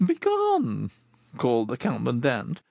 'Begone!' bawled out the commandant.